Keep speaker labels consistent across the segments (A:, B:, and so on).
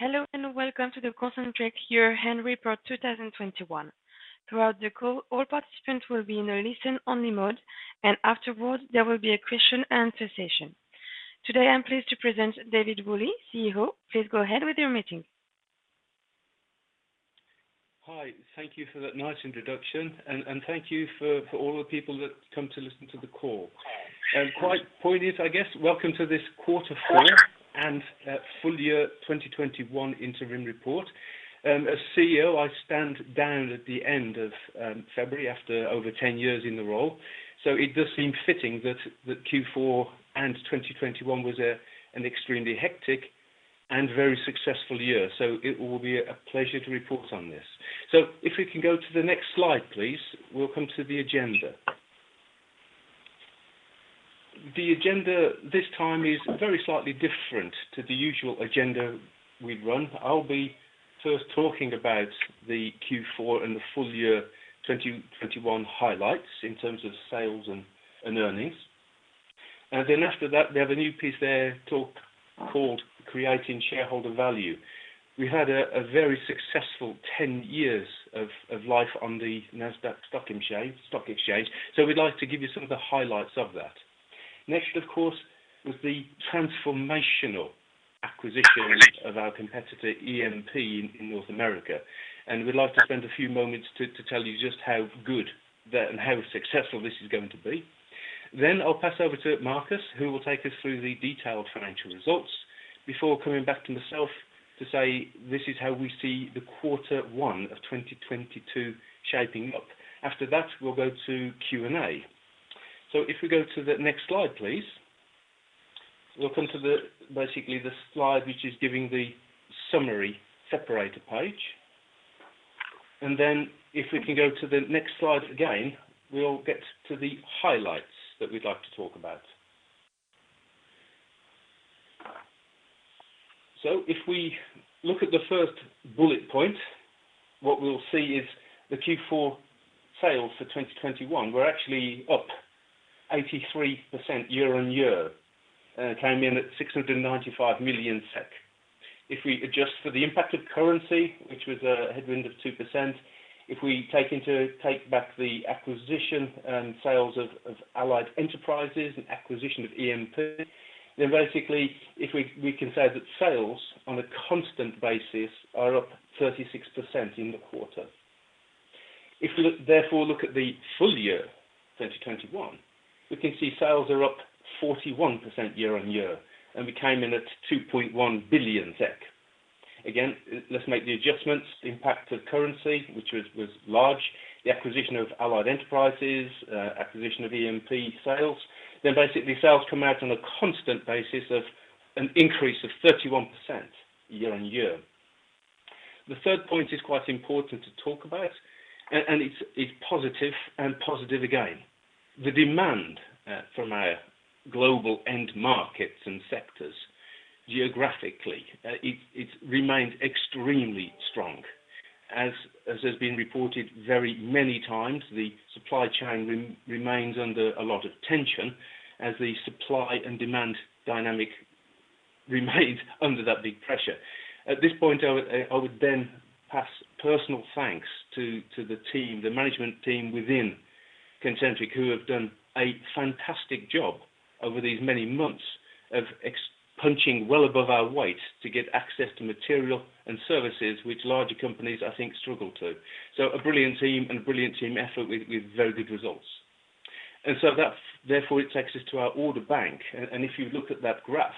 A: Hi. Thank you for that nice introduction, and thank you for all the people that come to listen to the call. Quite poignant, I guess. Welcome to this quarter four and full year 2021 interim report. As CEO, I will step down at the end of February after more than 10 years in the role. It is fitting that Q4 and full year 2021 were extremely hectic and very successful. It will be a pleasure to report on this. If we can go to the next slide, please, we'll come to the agenda. The agenda this time is very slightly different to the usual agenda we run. I'll be first talking about the Q4 and the full year 2021 highlights in terms of sales and earnings. We have a new section titled Creating Shareholder Value. We have had a very successful 10 years listed on the Nasdaq Stock Exchange. We'd like to give you some of the highlights of that. Next, of course, was the transformational acquisition of our competitor, EMP, in North America. We'd like to spend a few moments to tell you how successful this will be. I'll pass over to Marcus, who will take us through the detailed financial results before coming back to myself to outline how we see Q1 2022 shaping up. After that, we'll go to Q&A. If we go to the next slide, please. We'll come to basically the slide, which is giving the summary separator page. If we can go to the next slide again, we'll get to the highlights that we'd like to talk about. If we look at the first bullet point, what we'll see is the Q4 sales for 2021 were actually up 83% year-on-year. Came in at 695 million SEK. If we adjust for the impact of currency, which was a headwind of 2%, if we take out the acquisition and sales of Allied Enterprises and acquisition of EMP, then basically we can say that sales on a constant basis are up 36% in the quarter. Therefore look at the full year, 2021, we can see sales are up 41% year-on-year, and we came in at 2.1 billion SEK. Again, let's make the adjustments. The impact of currency, which was large, the acquisition of Allied Enterprises, acquisition of EMP, sales. Basically sales come out on a constant basis of an increase of 31% year-on-year. The third point is quite important to talk about, and it's consistently positive. The demand from our global end markets and sectors geographically, it's remained extremely strong. As has been reported very many times, the supply chain remains under a lot of tension as the supply and demand dynamic remains under that big pressure. At this point, I would then pass personal thanks to the team, the management team within Concentric, who have done a fantastic job over these many months of punching well above our weight to get access to material and services which larger companies, I think, struggle to. A brilliant team and a brilliant team effort with very good results. That's therefore it takes us to our order book. If you look at that graph,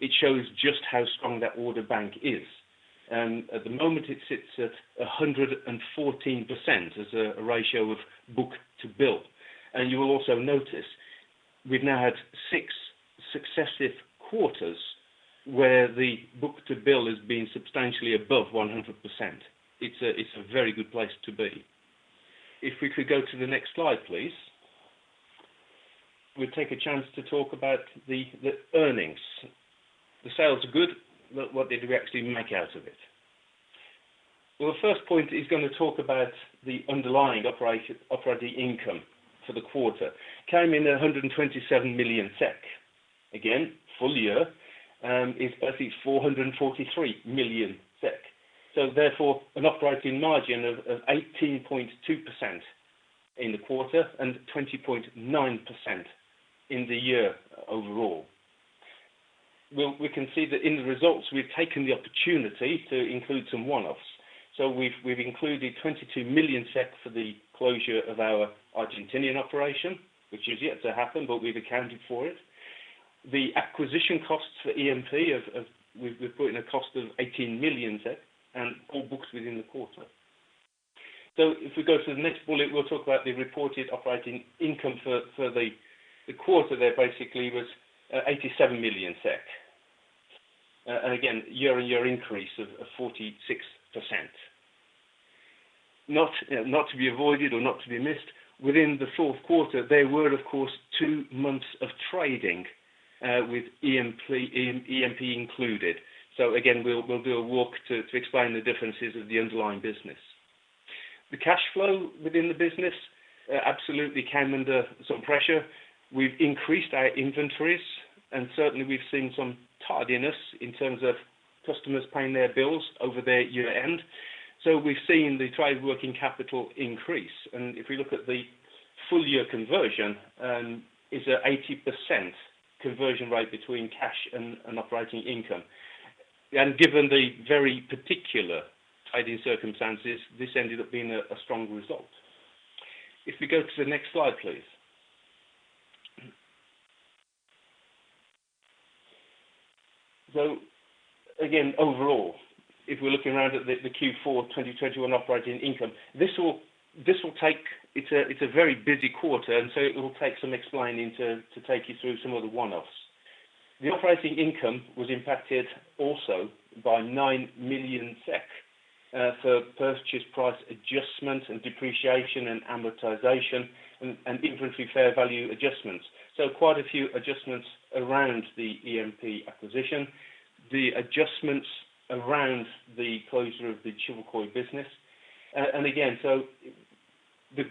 A: it shows just how strong that order bookis. At the moment it sits at book-to-bill ratio of 114%. You will also notice we've now had six successive quarters where the book-to-bill has been substantially above 100%. It's a very good place to be. If we could go to the next slide, please. We'll take a chance to talk about the earnings. The sales are good, but what did we actually make out of it? Well, the first point is going to talk about the underlying operating income for the quarter. Came in at 127 million SEK. Again, full year operating income was 443 million SEK. Therefore an operating margin of 18.2% in the quarter and 20.9% in the year overall. Well, we can see that in the results we've taken the opportunity to include some one-offs. We've included 22 million for the closure of our Argentinian operation, which has been provisioned in advance. The acquisition costs for EMP. We've put in a cost of 18 million and all recognized in the quarter. If we go to the next bullet, we'll talk about the reported operating income for the quarter there basically was 87 million SEK. Again, year-on-year increase of 46%. Importantly. Within the fourth quarter, there were of course two months of trading with EMP included. We'll do a walk to explain the differences of the underlying business. The cash flow within the business absolutely came under some pressure. We've increased our inventories, and certainly we've seen some tardiness in terms of customers paying their bills over their year-end. We've seen the trade working capital increase. If we look at the full year conversion is at 80% conversion rate between cash and operating income. Given the very particular adverse circumstances, this ended up being a strong result. If we go to the next slide, please. Overall, if we're looking around at the Q4 2021 operating income, this will take us through the details. It's a very busy quarter, and it will take some explaining to take you through some of the one-offs. The operating income was impacted also by 9 million SEK for purchase price adjustments and depreciation and amortization and inventory fair value adjustments. Quite a few adjustments around the EMP acquisition, the adjustments around the closure of the Chivilcoy business. The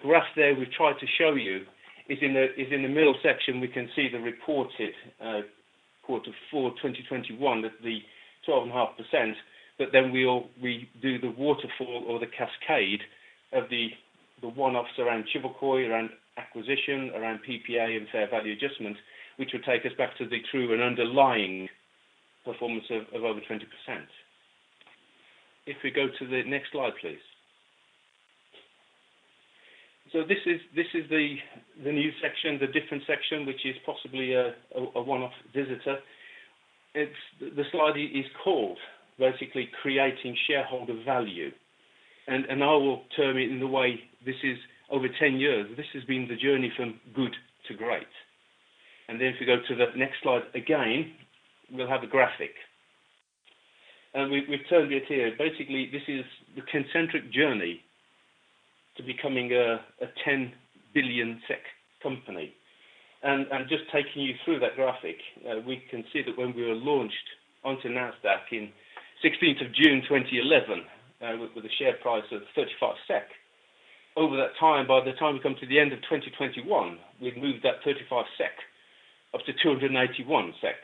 A: graph there we've tried to show you is in the middle section, we can see the reported quarter four 2021, that 12.5%. Then we do the waterfall analysis of the one-offs around Chivilcoy, around acquisition, around PPA and fair value adjustments, which would take us back to the underlying performance of over 20%. If we go to the next slide, please. This is the new section, the different section, which is a one-off section. The slide is called basically creating shareholder value. I will term it in the way this is over 10 years. This has been the journey from good to great. If we go to the next slide again, we'll have a graphic. We've termed it here. Basically, this is the Concentric journey to becoming a 10 billion SEK company. Just taking you through that graphic, we can see that when we were launched onto Nasdaq on June 16, 2011, with a share price of 35 SEK. Over that time, by the time we come to the end of 2021, we've moved that 35 SEK up to 281 SEK.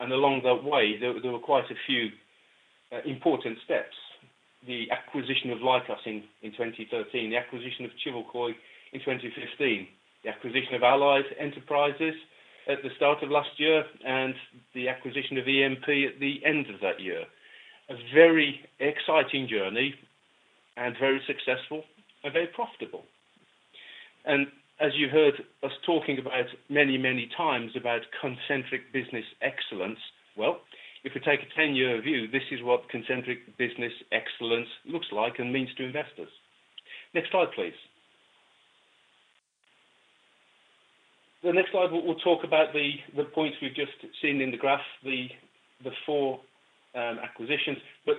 A: Along the way, there were quite a few important steps. The acquisition of Licos in 2013, the acquisition of Chivilcoy in 2015, the acquisition of Allied Enterprises at the start of last year, and the acquisition of EMP at the end of that year. A very exciting journey and very successful and very profitable. As you heard us talking about many times about Concentric Business Excellence, well, if we take a 10-year view, this is what Concentric Business Excellence looks like and means to investors. Next slide, please. The next slide, we'll talk about the points we've just seen in the graph, the four acquisitions, but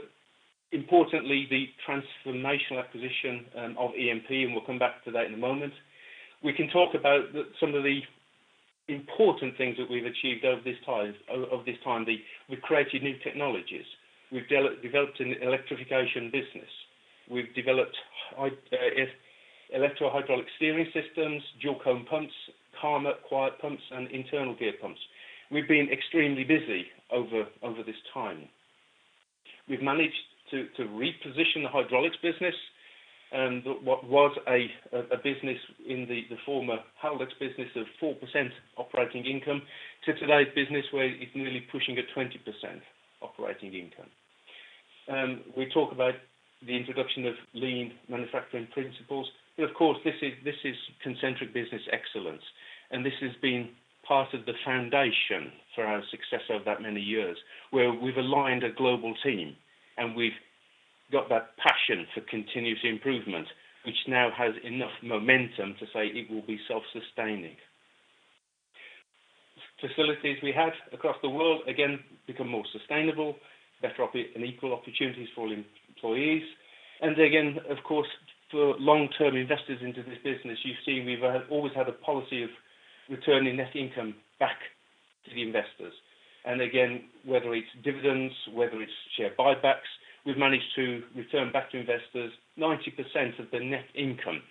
A: importantly, the transformational acquisition of EMP, and we'll come back to that in a moment. We can talk about some of the important things that we've achieved over this time. We've created new technologies. We've developed an electrification business. We've developed electro-hydraulic steering systems, dual cone clutch pumps, Calma quiet pumps, and internal gear pumps. We've been extremely busy over this time. We've managed to reposition the hydraulics business. What was a business in the former Haldex business of 4% operating income to today's business where it's nearly pushing a 20% operating income. We talk about the introduction of lean manufacturing principles. Of course, this is Concentric Business Excellence. This has been part of the foundation for our success over that many years, where we've aligned a global team, and we've got that passion for continuous improvement, which now has enough momentum to say it will be self-sustaining. Facilities we have across the world, again, become more sustainable, better and equal opportunities for all employees. Again, of course, for long-term investors into this business, you've seen we've always had a policy of returning net income to shareholders. Again, whether it's dividends, whether it's share buybacks, we've managed to return back to investors 90% of the net income.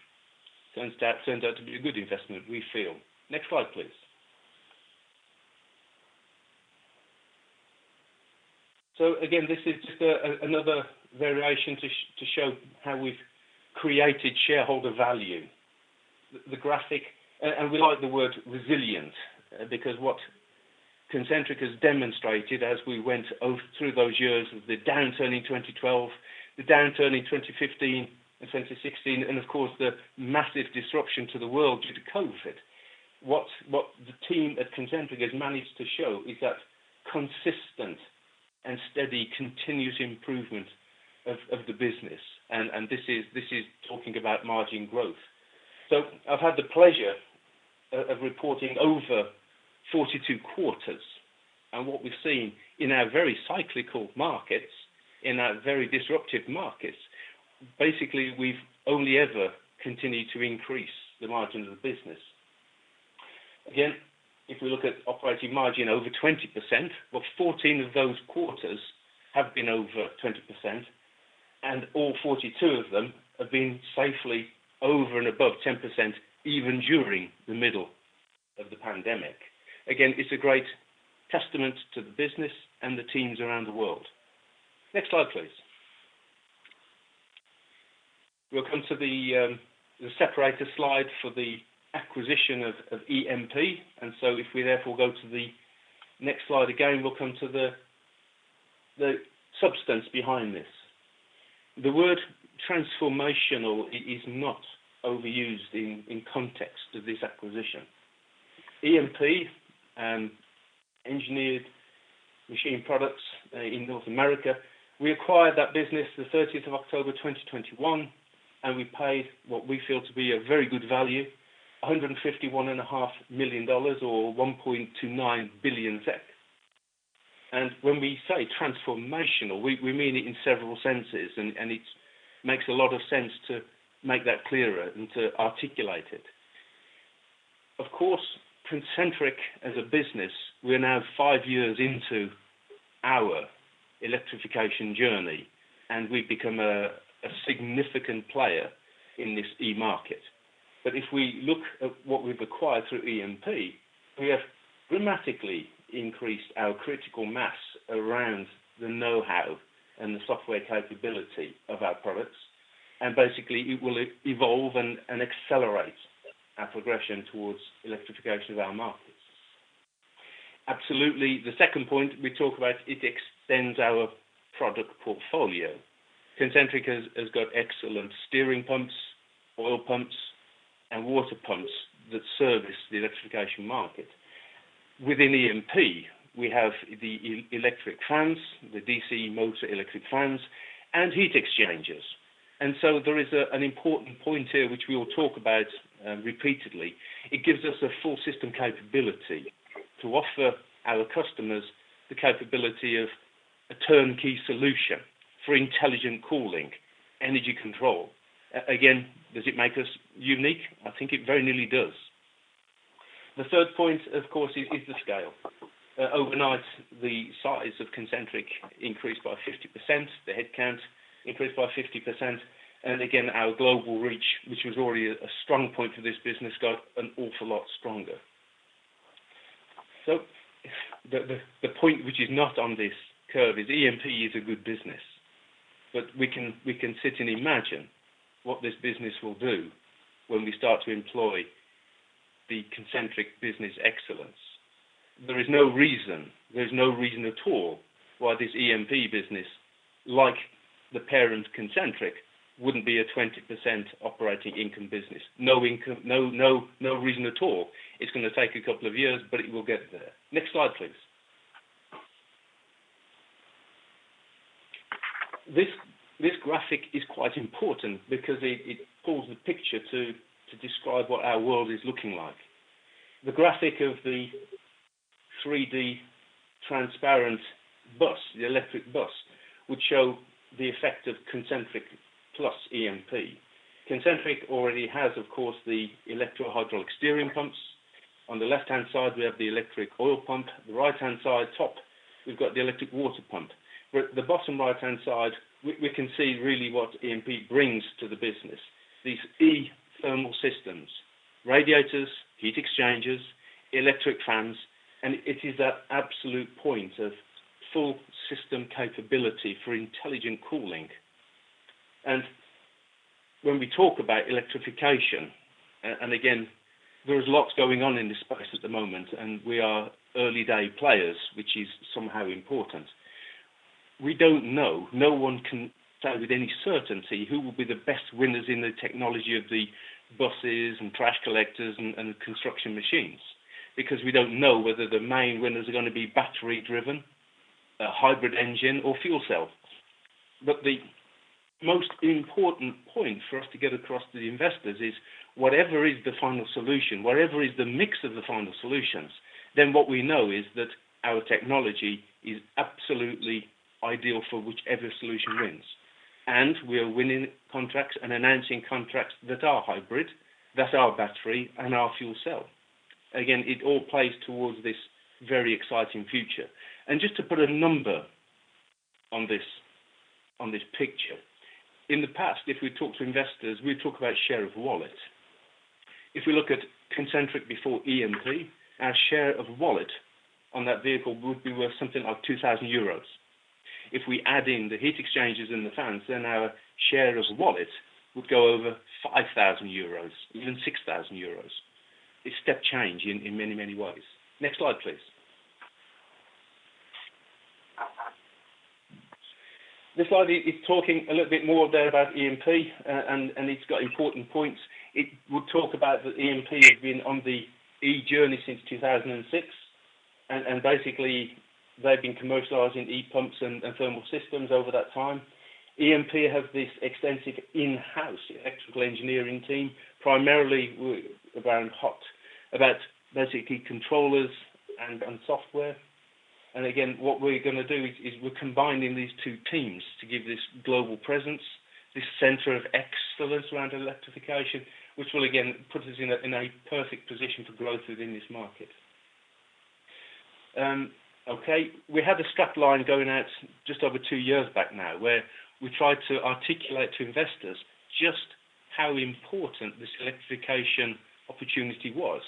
A: Since that turned out to be a good investment, we feel. Next slide, please. Again, this is just another variation to show how we've created shareholder value. We like the word resilient because what Concentric has demonstrated as we went through those years with the downturn in 2012, the downturn in 2015 and 2016, and of course, the massive disruption to the world due to COVID. What the team at Concentric has managed to show is that consistent and steady continuous improvement of the business. This is talking about margin growth. I've had the pleasure of reporting over 42 quarters. What we've seen in our very cyclical markets, in our very disruptive markets, basically, we've only ever continued to increase the margins of the business. Again, if we look at operating margin over 20%, well 14 of those quarters have been over 20%, and all 42 of them have been safely over and above 10% even during the middle of the pandemic. Again, it's a great testament to the business and the teams around the world. Next slide, please. We'll come to the separator slide for the acquisition of EMP. If we therefore go to the next slide again, we'll come to the substance behind this. The word transformational is not overused in context to this acquisition. EMP, Engineered Machined Products, in North America, we acquired that business the 30th of October 2021, and we paid what we feel to be a very good value, $151.5 million or 1.29 billion SEK. When we say transformational, we mean it in several senses, and it makes a lot of sense to make that clearer and to articulate it. Of course, Concentric as a business, we're now 5 years into our electrification journey, and we've become a significant player in this e-market. If we look at what we've acquired through EMP, we have dramatically increased our critical mass around the know-how and the software capability of our products. Basically, it will evolve and accelerate our progression towards electrification of our markets. Absolutely, the second point we talk about, it extends our product portfolio. Concentric has got excellent steering pumps, oil pumps, and water pumps that service the electrification market. Within EMP, we have the electric fans, the DC motor electric fans and heat exchangers. There is an important point here, which we will talk about repeatedly. It gives us a full system capability to offer our customers the capability of a turnkey solution for intelligent cooling, energy control. Again, does it make us unique? I think it very nearly does. The third point, of course, is the scale. Overnight, the size of Concentric increased by 50%, the headcount increased by 50%. Again, our global reach, which was already a strong point for this business, got an awful lot stronger. The point which is not on this curve is EMP is a good business. We can sit and imagine what this business will do when we start to employ the Concentric Business Excellence. There is no reason, there's no reason at all why this EMP business, like the parent Concentric, wouldn't be a 20% operating income business. No reason at all. It's gonna take a couple of years, but it will get there. Next slide, please. This graphic is quite important because it pulls together the picture to describe what our world is looking like. The graphic of the 3-D transparent bus, the electric bus, would show the effect of Concentric plus EMP. Concentric already has, of course, the electro-hydraulic steering pumps. On the left-hand side, we have the electric oil pump. The right-hand side top, we've got the electric water pump. At the bottom right-hand side, we can see really what EMP brings to the business. These e-thermal systems, radiators, heat exchangers, electric fans, and it is that absolute point of full system capability for intelligent cooling. When we talk about electrification, and again, there is lots going on in this space at the moment, and we are early day players, which is somehow important. We don't know, no one can tell with any certainty who will be the best winners in the technology of the buses and trash collectors and construction machines because we don't know whether the main winners are gonna be battery-driven, a hybrid engine or fuel cell. The most important point for us to get across to the investors is whatever is the final solution, whatever is the mix of the final solutions, then what we know is that our technology is absolutely ideal for whichever solution wins. We are winning contracts and announcing contracts that are hybrid, that are battery and are fuel cell. Again, it all plays towards this very exciting future. Just to put a number on this, on this picture. In the past, if we talk to investors, we talk about share of wallet. If we look at Concentric before EMP, our share of wallet on that vehicle would be worth something like 2,000 euros. If we add in the heat exchangers and the fans, then our share of wallet would go over 5,000 euros, even 6,000 euros. It's a step change in many, many ways. Next slide, please. This slide is talking a little bit more there about EMP, and it's got important points. It would talk about that EMP has been on the e-journey since 2006. Basically, they've been commercializing e-pumps and thermal systems over that time. EMP has this extensive in-house electrical engineering team, primarily about controllers and software. What we're gonna do is we're combining these two teams to give this global presence, this center of excellence around electrification, which will again put us in a perfect position for growth within this market. Okay. We have a strap line going out just over two years back now, where we tried to articulate to investors just how important this electrification opportunity was.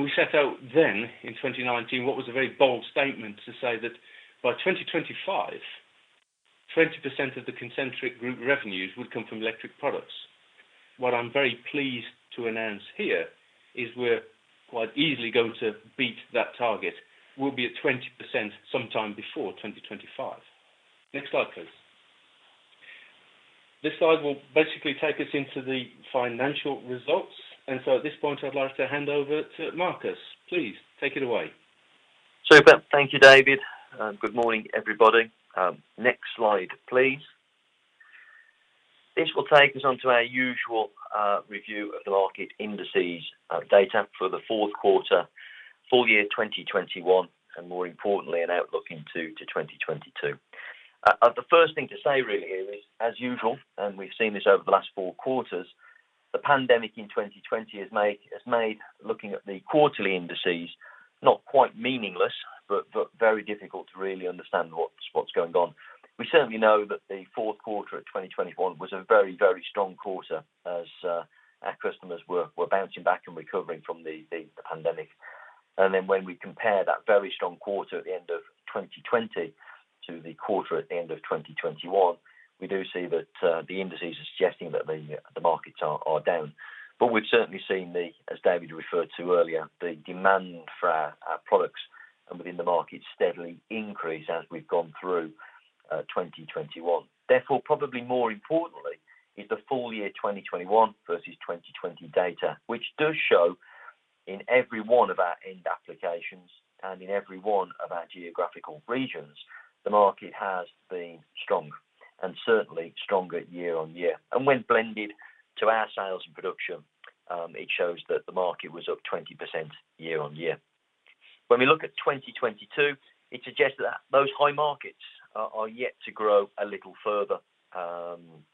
A: We set out then in 2019 what was a very bold statement to say that by 2025, 20% of the Concentric group revenues would come from electric products. What I'm very pleased to announce here is we're quite easily going to beat that target, we'll be at 20% sometime before 2025. Next slide, please. This slide will basically take us into the financial results. At this point, I'd like to hand over to Marcus. Please take it away.
B: Super. Thank you, David, and good morning, everybody. Next slide, please. This will take us onto our usual review of the market indices data for the fourth quarter, full year 2021, and more importantly, an outlook into 2022. The first thing to say really here is, as usual, we've seen this over the last four quarters, the pandemic in 2020 has made looking at the quarterly indices not quite meaningless, but very difficult to really understand what's going on. We certainly know that the fourth quarter of 2021 was a very strong quarter as our customers were bouncing back and recovering from the pandemic. When we compare that very strong quarter at the end of 2020 to the quarter at the end of 2021, we do see that the indices are suggesting that the markets are down. We've certainly seen, as David referred to earlier, the demand for our products and within the market steadily increase as we've gone through 2021. Therefore, probably more importantly is the full year 2021 versus 2020 data, which does show in every one of our end applications and in every one of our geographical regions, the market has been strong and certainly stronger year-on-year. When blended to our sales and production, it shows that the market was up 20% year-on-year. When we look at 2022, it suggests that those high markets are yet to grow a little further.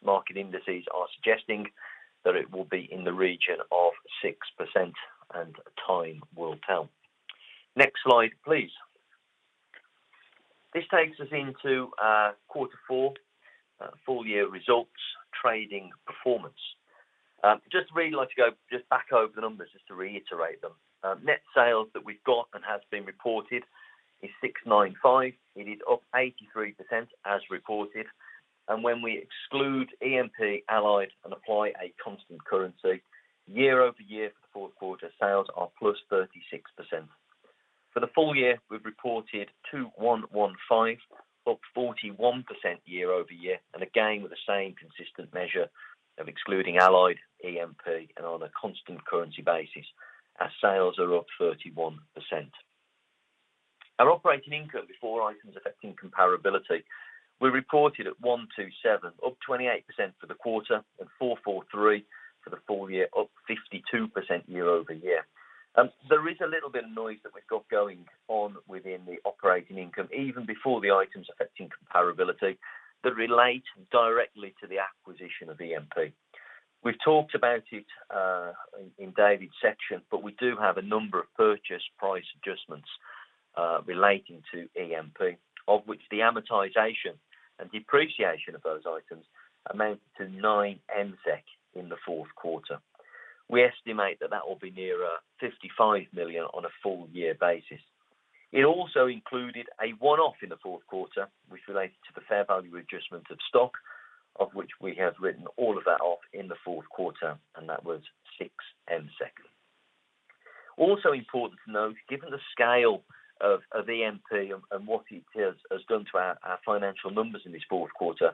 B: Market indices are suggesting that it will be in the region of 6% and time will tell. Next slide, please. This takes us into quarter four, full year results, trading performance. I just really like to go just back over the numbers just to reiterate them. Net sales that we've got and has been reported is 695 MSEK. It is up 83% as reported. When we exclude EMP, Allied, and apply a constant currency year-over-year for the fourth quarter, sales are +36%. For the full year, we've reported 2,115 MSEK, up 41% year-over-year. Again, with the same consistent measure of excluding Allied, EMP, and on a constant currency basis, our sales are up 31%. Our operating income before items affecting comparability we reported at 127 MSEK, up 28% for the quarter and 443 MSEK for the full year, up 52% year-over-year. There is a little bit of noise that we've got going on within the operating income, even before the items affecting comparability that relate directly to the acquisition of EMP. We've talked about it in David's section, but we do have a number of purchase price adjustments relating to EMP, of which the amortization and depreciation of those items amounted to 9 MSEK in the fourth quarter. We estimate that that will be nearer 55 MSEK on a full year basis. It also included a one-off in the fourth quarter which related to the fair value adjustments of stock, of which we have written all of that off in the fourth quarter, and that was 6 million. Also important to note, given the scale of EMP and what it has done to our financial numbers in this fourth quarter,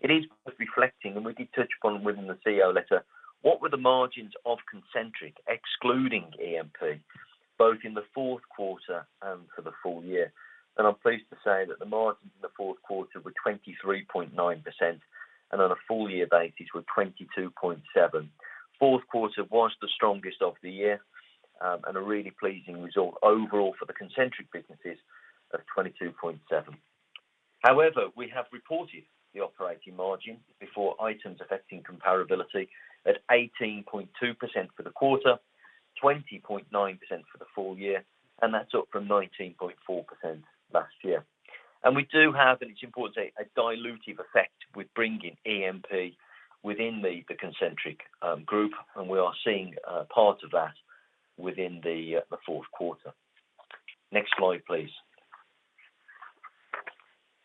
B: it is worth reflecting, and we did touch upon within the CEO letter what were the margins of Concentric excluding EMP, both in the fourth quarter and for the full year. I'm pleased to say that the margins in the fourth quarter were 23.9% and on a full year basis were 22.7%. Fourth quarter was the strongest of the year, and a really pleasing result overall for the Concentric businesses of 22.7%. However, we have reported the operating margin before items affecting comparability at 18.2% for the quarter, 20.9% for the full year, and that's up from 19.4% last year. We do have, and it's important to say, a dilutive effect with bringing EMP within the Concentric group, and we are seeing part of that within the fourth quarter. Next slide, please.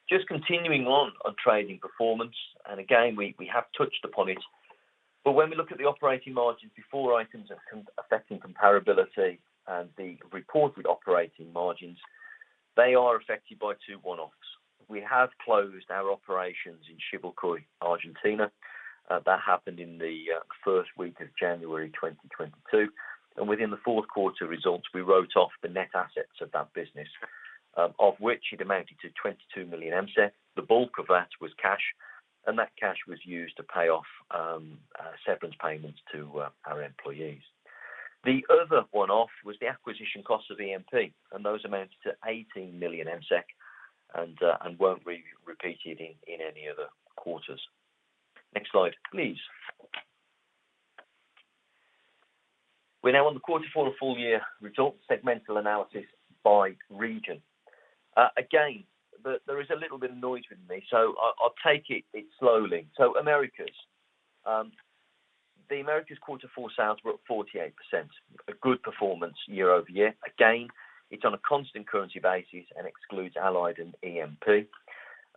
B: Just continuing on trading performance, and again, we have touched upon it, but when we look at the operating margins before items affecting comparability and the reported operating margins, they are affected by two one-offs. We have closed our operations in Chivilcoy, Argentina. That happened in the first week of January 2022. Within the fourth quarter results, we wrote off the net assets of that business, of which it amounted to 22 million. The bulk of that was cash, and that cash was used to pay off severance payments to our employees. The other one-off was the acquisition cost of EMP, and those amounted to 18 million and won't be repeated in any other quarters. Next slide, please. We're now on the quarterly full-year results, segmental analysis by region. Again, there is a little bit of noise with me, so I'll take it slowly. So, Americas. The Americas quarter four sales were up 48%, a good performance year-over-year. Again, it's on a constant currency basis and excludes Allied and EMP.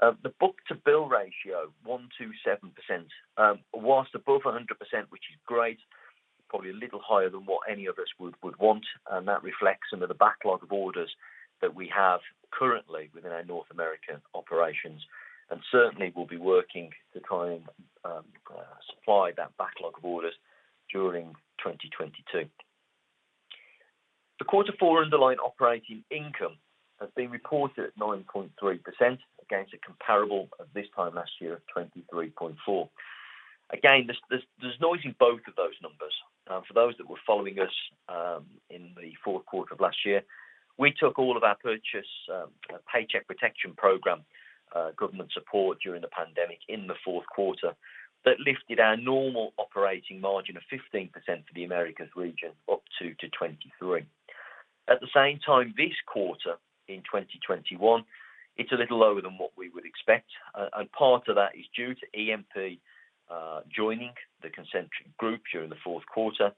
B: The book-to-bill ratio, 107%, while above 100%, which is great, probably a little higher than what any of us would want, and that reflects some of the backlog of orders that we have currently within our North American operations. Certainly we'll be working to try and supply that backlog of orders during 2022. The quarter four underlying operating income has been reported at 9.3% against a comparable at this time last year of 23.4%. Again, there's noise in both of those numbers. For those that were following us, in the fourth quarter of last year, we took all of our PPA, Paycheck Protection Program, government support during the pandemic in the fourth quarter. That lifted our normal operating margin of 15% for the Americas region up to 23%. At the same time this quarter in 2021, it's a little lower than what we would expect. Part of that is due to EMP joining the Concentric group during the fourth quarter.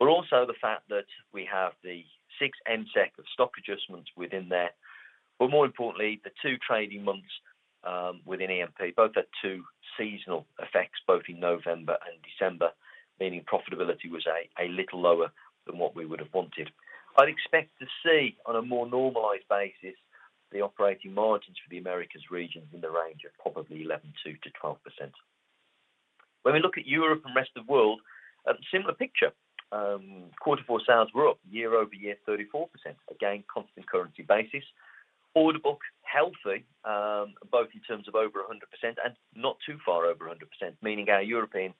B: Also the fact that we have the 6 MSEK of stock adjustments within there. More importantly, the two trading months within EMP both had two seasonal effects, both in November and December, meaning profitability was a little lower than what we would have wanted. I'd expect to see on a more normalized basis, the operating margins for the Americas region in the range of probably 11%-12%. When we look at Europe and rest of world, a similar picture. Quarter four sales were up year-over-year 34%. Again, constant currency basis. Order book healthy, both in terms of over 100% and not too far over 100%, meaning our European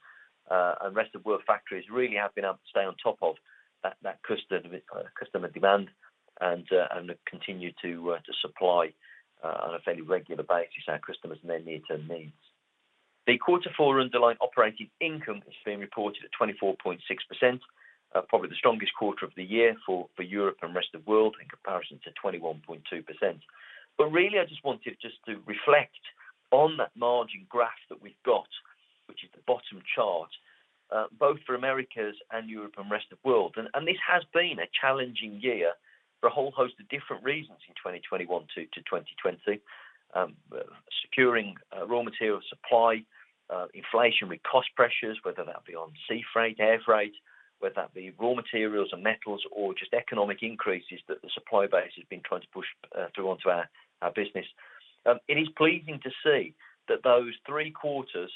B: and rest of world factories really have been able to stay on top of that customer demand and continue to supply on a fairly regular basis our customers' near-term needs. The quarter four underlying operating income is being reported at 24.6%, probably the strongest quarter of the year for Europe and rest of world in comparison to 21.2%. Really, I just wanted to reflect on that margin graph that we've got, which is the bottom chart, both for Americas and Europe and rest of world. This has been a challenging year for a whole host of different reasons in 2021 to 2020. Securing raw material supply, inflationary cost pressures, whether that be on sea freight, air freight, whether that be raw materials and metals or just economic increases that the supply base has been trying to push through onto our business. It is pleasing to see that those three quarters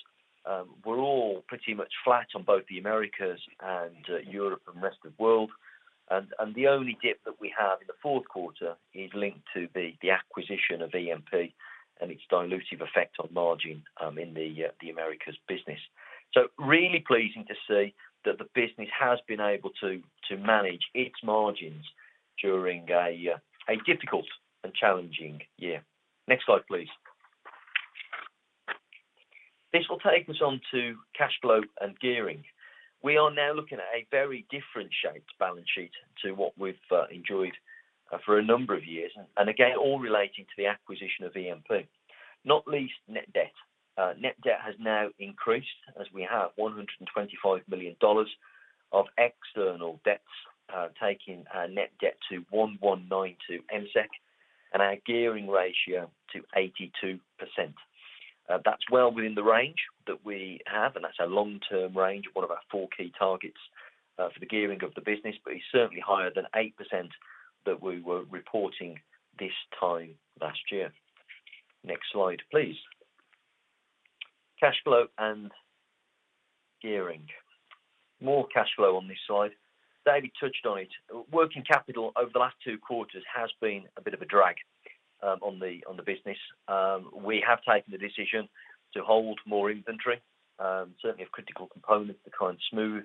B: were all pretty much flat on both the Americas and Europe and rest of world. The only dip that we have in the fourth quarter is linked to the acquisition of EMP and its dilutive effect on margin in the Americas business. Really pleasing to see that the business has been able to manage its margins during a difficult and challenging year. Next slide, please. This will take us on to cash flow and gearing. We are now looking at a very different shaped balance sheet to what we've enjoyed for a number of years, and again, all relating to the acquisition of EMP, not least net debt. Net debt has now increased as we have $125 million of external debts, taking our net debt to 1,192 MSEK and our gearing ratio to 82%. That's well within the range that we have, and that's our long-term range, one of our four key targets, for the gearing of the business, but it's certainly higher than 8% that we were reporting this time last year. Next slide, please. Cash flow and gearing. More cash flow on this slide. David touched on it. Working capital over the last two quarters has been a bit of a drag on the business. We have taken the decision to hold more inventory, certainly of critical components to try and smooth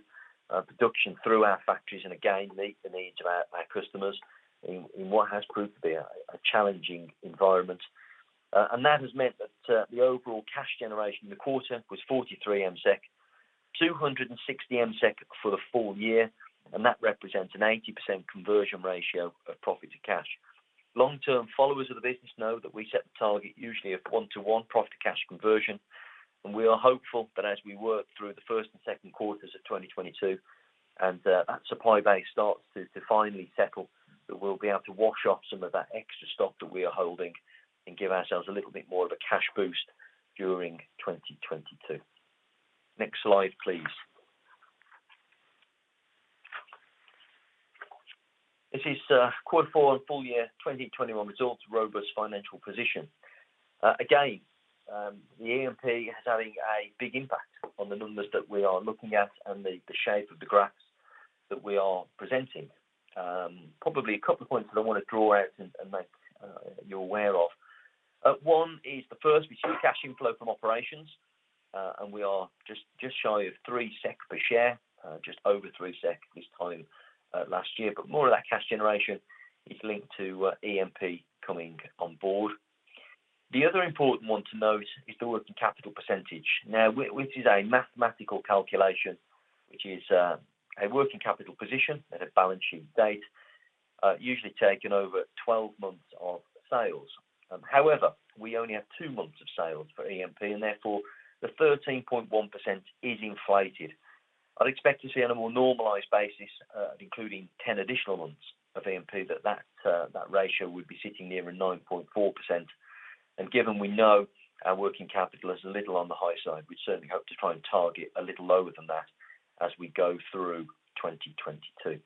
B: production through our factories and again, meet the needs of our customers in what has proved to be a challenging environment. That has meant that the overall cash generation in the quarter was 43 MSEK, 260 MSEK for the full year, and that represents an 80% conversion ratio of profit to cash. Long-term followers of the business know that we set the target usually of one-to-one profit to cash conversion, and we are hopeful that as we work through the first and second quarters of 2022 and that supply base starts to finally settle, that we'll be able to wash off some of that extra stock that we are holding and give ourselves a little bit more of a cash boost during 2022. Next slide, please. This is quarter four and full year 2021 results, robust financial position. Again, the EMP is having a big impact on the numbers that we are looking at and the shape of the graphs that we are presenting. Probably a couple of points that I wanna draw out and make you aware of. One is the first, we see cash inflow from operations, and we are just shy of 3 SEK per share, just over 3 SEK this time last year. More of that cash generation is linked to EMP coming on board. The other important one to note is the working capital percentage. Now, which is a mathematical calculation, which is a working capital position at a balance sheet date, usually taken over 12 months of sales. However, we only have 2 months of sales for EMP, and therefore the 13.1% is inflated. I'd expect to see on a more normalized basis, including 10 additional months of EMP, that ratio would be sitting nearer 9.4%. Given we know our working capital is a little on the high side, we certainly hope to try and target a little lower than that as we go through 2022.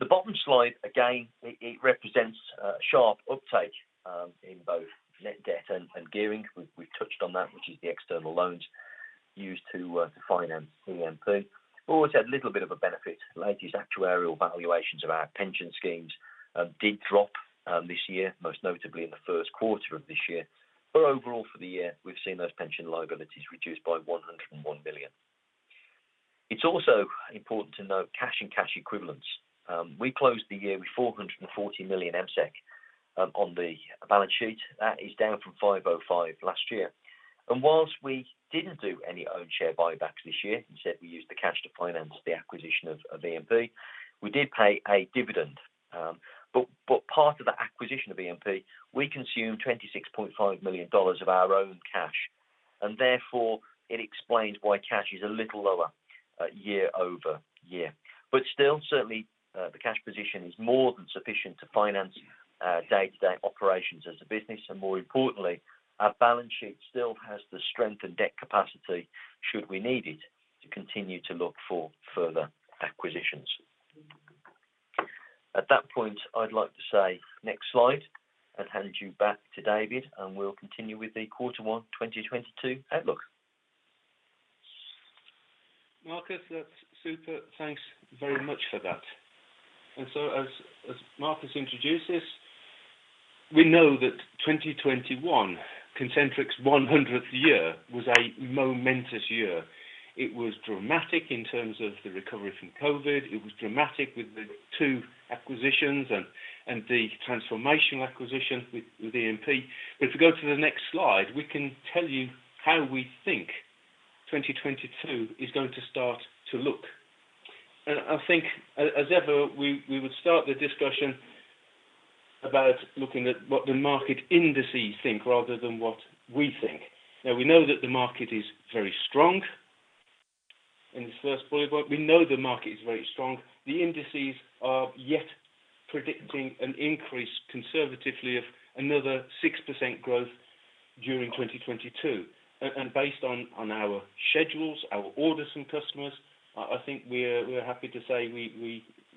B: The bottom slide, again, it represents a sharp uptake in both net debt and gearing. We've touched on that, which is the external loans used to finance EMP. Always had a little bit of a benefit. Latest actuarial valuations of our pension schemes did drop this year, most notably in the first quarter of this year. Overall for the year, we've seen those pension liabilities reduced by 101 million. It's also important to note cash and cash equivalents. We closed the year with 440 MSEK on the balance sheet. That is down from 505 last year. While we didn't do any own share buybacks this year, instead we used the cash to finance the acquisition of EMP, we did pay a dividend. Part of the acquisition of EMP, we consumed $26.5 million of our own cash, and therefore it explains why cash is a little lower year-over-year. Still, certainly, the cash position is more than sufficient to finance day-to-day operations as a business. More importantly, our balance sheet still has the strength and debt capacity should we need it to continue to look for further acquisitions. At that point, I'd like to say next slide and hand you back to David, and we'll continue with the quarter 1 2022 outlook.
A: Marcus, that's super. Thanks very much for that. As Marcus introduces, we know that 2021, Concentric's 100th year, was a momentous year. It was dramatic in terms of the recovery from COVID. It was dramatic with the two acquisitions and the transformational acquisition with EMP. If you go to the next slide, we can tell you how we think 2022 is going to start to look. I think as ever, we would start the discussion about looking at what the market indices think rather than what we think. Now, we know that the market is very strong. In this first bullet point, we know the market is very strong. The indices are yet predicting an increase conservatively of another 6% growth during 2022. Based on our schedules, our orders from customers, I think we're happy to say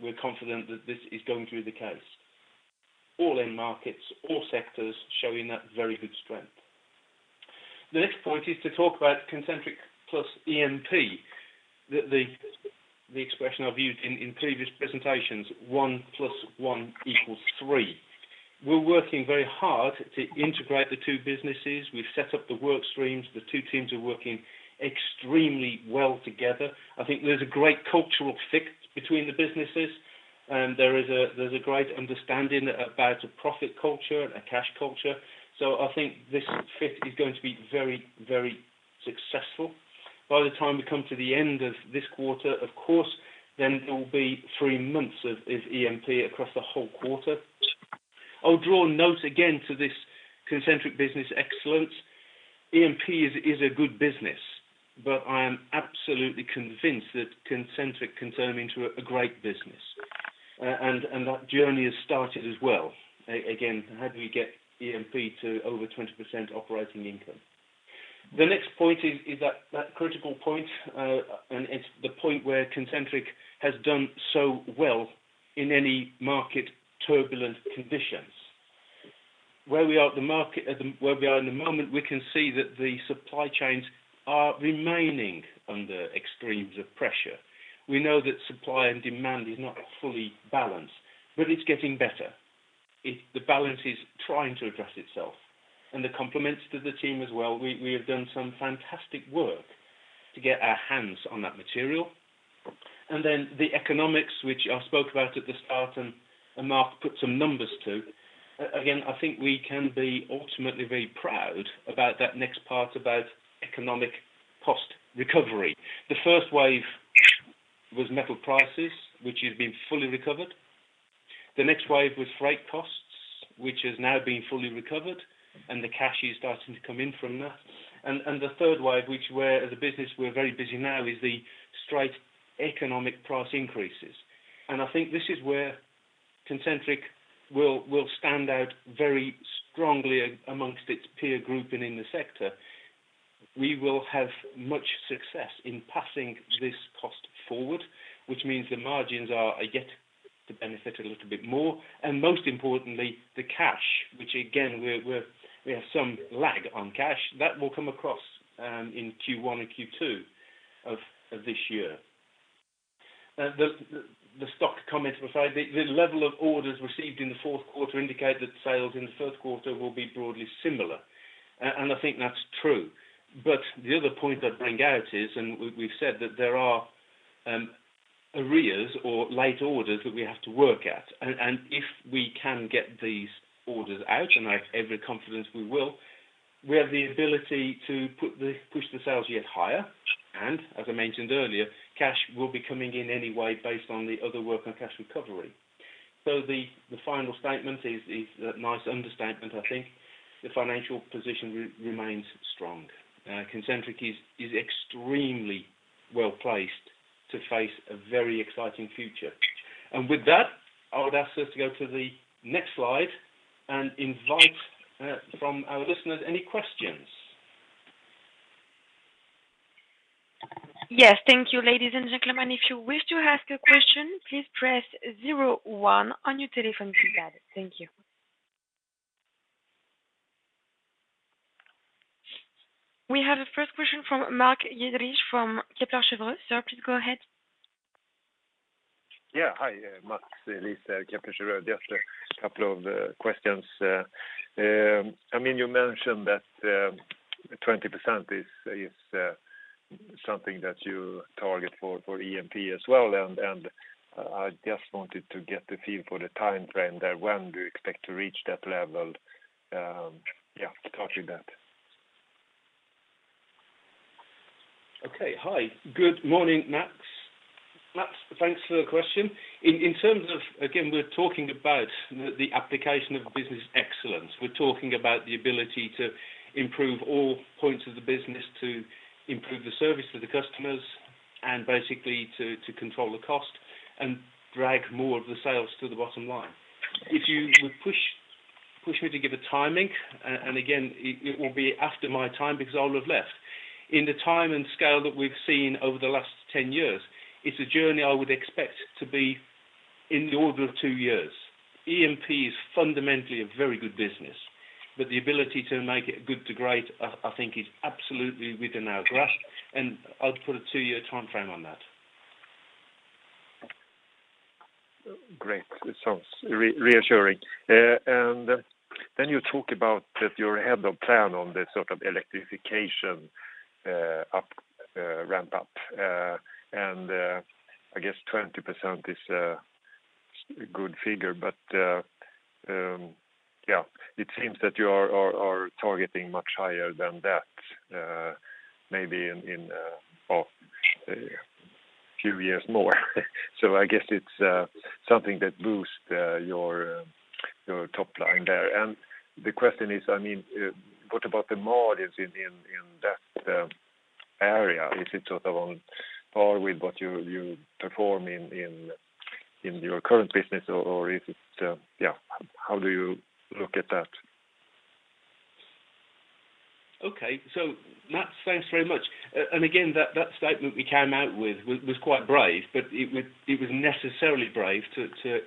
A: we're confident that this is going to be the case. All end markets, all sectors showing that very good strength. The next point is to talk about Concentric plus EMP. The expression I've used in previous presentations, one plus one equals three. We're working very hard to integrate the two businesses. We've set up the work streams. The two teams are working extremely well together. I think there's a great cultural fit between the businesses, and there is a great understanding about a profit culture and a cash culture. I think this fit is going to be very successful. By the time we come to the end of this quarter, of course, then it will be three months of EMP across the whole quarter. I'll draw attention again to this Concentric Business Excellence. EMP is a good business, but I am absolutely convinced that Concentric can turn them into a great business. That journey has started as well. Again, how do we get EMP to over 20% operating income? The next point is that critical point, and it's the point where Concentric has done so well in any turbulent market conditions. Where we are in the moment, we can see that the supply chains are remaining under extremes of pressure. We know that supply and demand is not fully balanced, but it's getting better. The balance is trying to address itself. The compliments to the team as well, we have done some fantastic work to get our hands on that material. Then the economics which I spoke about at the start and Marcus put some numbers to, again, I think we can be ultimately very proud about that next part about economic cost recovery. The first wave was metal prices, which has been fully recovered. The next wave was freight costs, which has now been fully recovered, and the cash is starting to come in from that. The third wave, which we as a business are very busy now, is the straight economic price increases. I think this is where Concentric will stand out very strongly among its peer group and in the sector. We will have much success in passing this cost forward, which means the margins are yet to benefit a little bit more. Most importantly, the cash, which again, we have some lag on cash, that will come across in Q1 and Q2 of this year. The stock comment beside the level of orders received in the fourth quarter indicate that sales in the first quarter will be broadly similar. I think that's true. The other point I'd bring out is, and we've said that there are arrears or late orders that we have to work at. If we can get these orders out, and I have every confidence we will, we have the ability to push the sales yet higher. As I mentioned earlier, cash will be coming in any way based on the other work on cash recovery. The final statement is a nice understatement I think. The financial position remains strong. Concentric is extremely well-placed to face a very exciting future. With that, I would ask us to go to the next slide and invite from our listeners any questions.
C: Yeah. Hi, Mats Jedrich, Kepler Cheuvreux. Just a couple of questions. I mean, you mentioned that 20% is something that you target for EMP as well. I just wanted to get the feel for the timeframe there. When do you expect to reach that level? Yeah, to target that.
A: Okay. Hi. Good morning, Mats. Mats, thanks for the question. In terms of, again, we're talking about the application of business excellence. We're talking about the ability to improve all points of the business, to improve the service to the customers and basically to control the cost and drag more of the sales to the bottom line. If you would push me to give a timing, and again, it will be after my time because I'll have left. In the time and scale that we've seen over the last 10 years, it's a journey I would expect to be in the order of two years. EMP is fundamentally a very good business, but the ability to make it good to great, I think is absolutely within our grasp, and I'd put a two-year timeframe on that.
C: Great. It sounds reassuring. You talk about that you're ahead of plan on the sort of electrification ramp up. I guess 20% is a good figure. Yeah, it seems that you are targeting much higher than that, maybe in a few years more. I guess it's something that boost your top line there. The question is, I mean, what about the margins in that area? Is it sort of on par with what you're performing in your current business or is it? Yeah. How do you look at that?
A: Okay. Mats, thanks very much. And again, that statement we came out with was quite brave, but it was necessarily brave to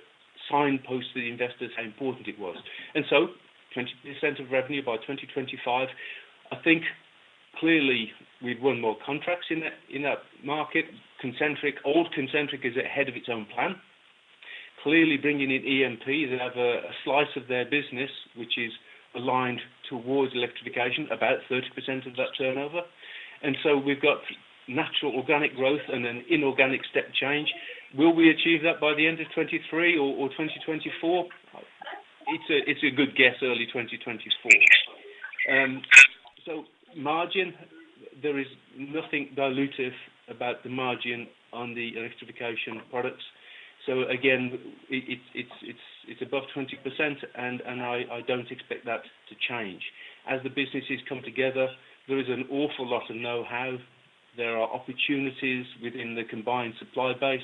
A: signpost the investors how important it was. 20% of revenue by 2025, I think clearly we've won more contracts in that market. Concentric, old Concentric is ahead of its own plan. Clearly bringing in EMP, they have a slice of their business which is aligned towards electrification, about 30% of that turnover. We've got natural organic growth and an inorganic step change. Will we achieve that by the end of 2023 or 2024? It's a good guess early 2024. Margin, there is nothing dilutive about the margin on the electrification products. Again, it's above 20% and I don't expect that to change. As the businesses come together, there is an awful lot of know-how. There are opportunities within the combined supply base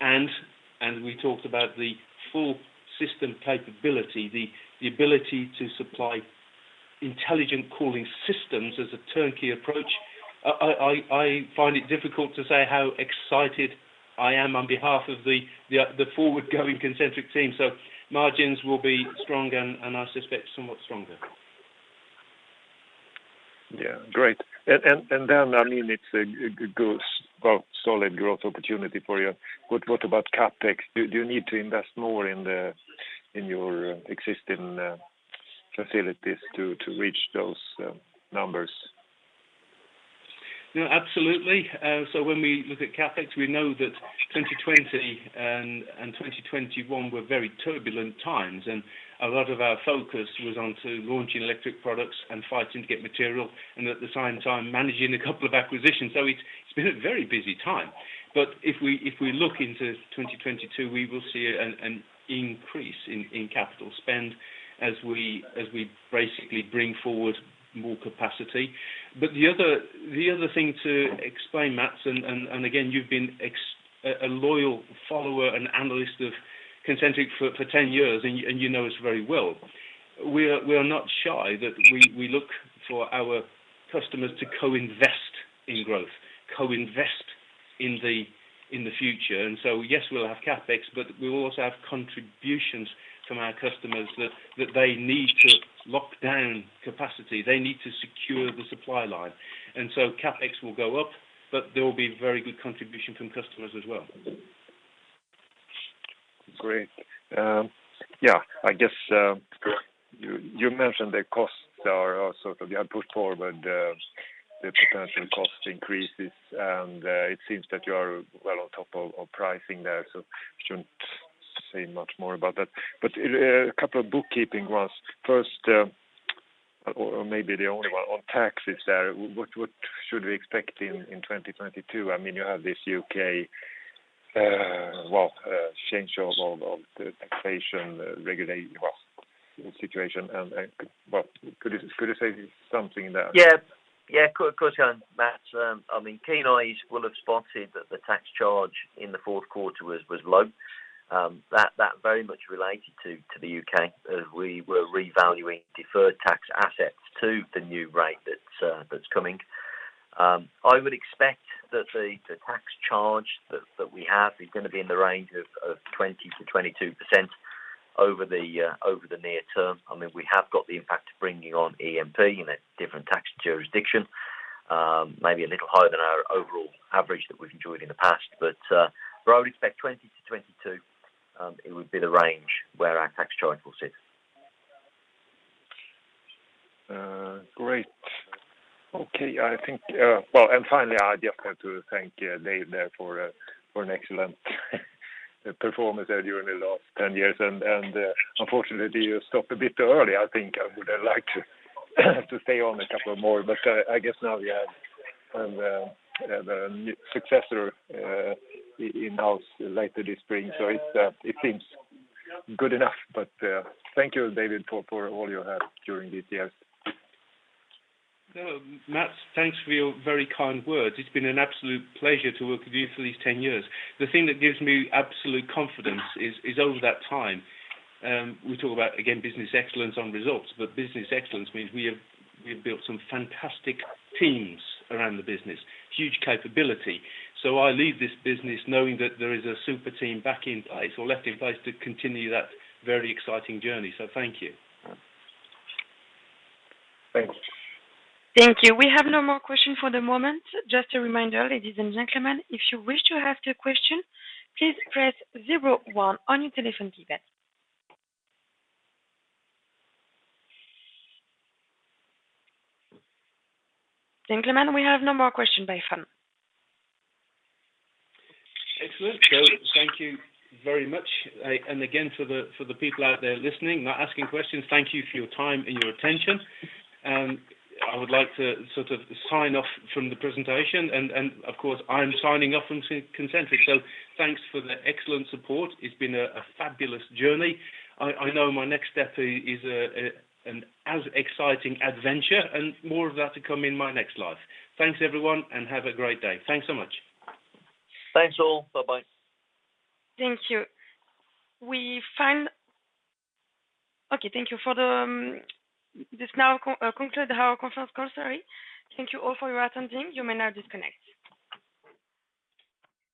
A: and we talked about the full system capability, the ability to supply intelligent cooling systems as a turnkey approach. I find it difficult to say how excited I am on behalf of the forward-going Concentric team. Margins will be stronger and I suspect somewhat stronger.
C: Yeah, great. Then, I mean, it's a good, solid growth opportunity for you. What about CapEx? Do you need to invest more in your existing facilities to reach those numbers?
A: No, absolutely. When we look at CapEx, we know that 2020 and 2021 were very turbulent times, and a lot of our focus was on to launching electric products and fighting to get material and at the same time managing a couple of acquisitions. It's been a very busy time. If we look into 2022, we will see an increase in capital spend as we basically bring forward more capacity. The other thing to explain, Mats, and again, you've been a loyal follower and analyst of Concentric for 10 years, and you know us very well. We are not shy that we look for our customers to co-invest in growth, co-invest in the future. Yes, we'll have CapEx, but we'll also have contributions from our customers that they need to lock down capacity. They need to secure the supply line. CapEx will go up, but there will be very good contribution from customers as well.
C: Great. Yeah, I guess you mentioned the costs are sort of, you had put forward the potential cost increases, and it seems that you are well on top of pricing there, so shouldn't say much more about that. A couple of bookkeeping ones. First, or maybe the only one on taxes there. What should we expect in 2022? I mean, you have this U.K. change of the taxation situation and well, could you say something there?
A: Yeah. Yeah. Of course, Mats. I mean, keen eyes will have spotted that the tax charge in the fourth quarter was low. That very much related to the U.K. as we were revaluing deferred tax assets to the new rate that's coming. I would expect that the tax charge that we have is gonna be in the range of 20%-22% over the near term. I mean, we have got the impact of bringing on EMP in a different tax jurisdiction, maybe a little higher than our overall average that we've enjoyed in the past. But I would expect 20%-22%, it would be the range where our tax charge will sit.
C: Great. Okay. I think, well, finally, I just want to thank David there for an excellent performance there during the last 10 years. Unfortunately you stopped a bit early. I think I would have liked to stay on a couple more, but I guess now we have the new successor in-house later this spring. It seems good enough. Thank you, David, for all you have during these years.
A: No, Mats, thanks for your very kind words. It's been an absolute pleasure to work with you for these 10 years. The thing that gives me absolute confidence is over that time, we talk about, again, business excellence on results, but business excellence means we have built some fantastic teams around the business, huge capability. I leave this business knowing that there is a super team back in place or left in place to continue that very exciting journey. Thank you.
C: Thanks.
A: Excellent. Thank you very much. Again, for the people out there listening, not asking questions, thank you for your time and your attention. I would like to sort of sign off from the presentation and, of course, I'm signing off from Concentric. Thanks for the excellent support. It's been a fabulous journey. I know my next step is an exciting adventure and more of that to come in my next life. Thanks everyone, and have a great day. Thanks so much.
C: Thanks all. Bye-bye.